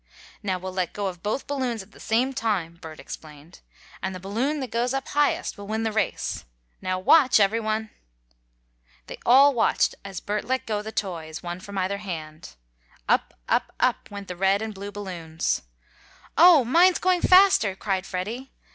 "Now we'll let go of both balloons at the same time," Bert explained, "and the balloon that goes up highest will win the race. Now watch, everyone!" They all watched, as Bert let go the toys, one from either hand. Up, up, up, went the red and blue balloons. "Oh, mine's going faster!" cried Freddie.